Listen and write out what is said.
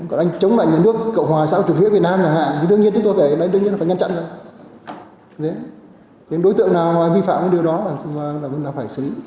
ông nguyễn hạnh phúc nhấn mạnh